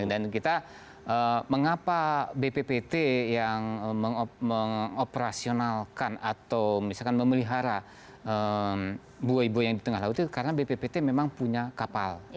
dan kita mengapa bppt yang mengoperasionalkan atau misalkan memelihara buah buah yang di tengah laut itu karena bppt memang punya kapal